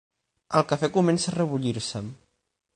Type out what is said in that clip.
El cafè comença a rebullir-se'm.